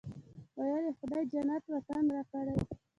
ویل یې خدای جنت وطن راکړی.